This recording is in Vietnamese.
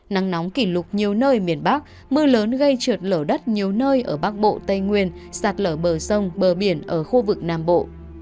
nắng nóng kỷ lục nhiều nơi miền bắc mưa lớn gây trượt lở đất nhiều nơi ở bắc bộ tây nguyên sạt lở bờ sông bờ biển ở khu vực nam bộ